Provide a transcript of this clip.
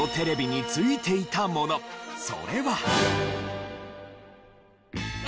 それは。